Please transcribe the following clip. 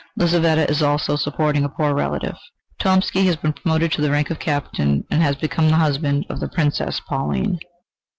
Lizaveta is also supporting a poor relative. Tomsky has been promoted to the rank of captain, and has become the husband of the Princess Pauline.